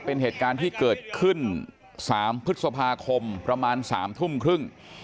เป็นเหตุการณ์ที่เกิดขึ้น๓พฤษภาคมประมาณ๓ทุ่มครึ่ง